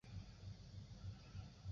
其北侧则邻近天津街商业街。